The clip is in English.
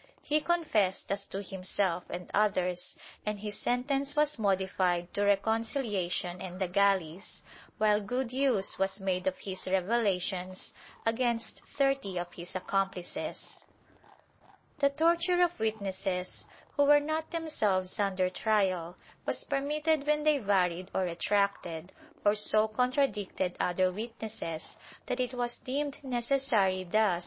He confessed as to himself and others and his sentence was modified to recon ciUation and the galleys, while good use was made of his reve lations against thirty of his accomplices.^ The torture of witnesses who were not themselves under trial was permitted when they varied or retracted, or so contradicted other witnesses that it was deemed necessary thus to ascertain * Praxis procedendi, Cap, 18, n.